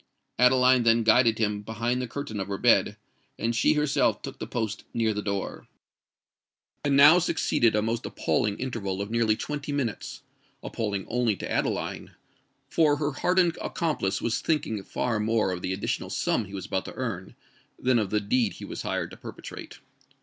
Adeline then guided him behind the curtain of her bed; and she herself took her post near the door. And now succeeded a most appalling interval of nearly twenty minutes,—appalling only to Adeline; for her hardened accomplice was thinking far more of the additional sum he was about to earn, than of the deed he was hired to perpetrate.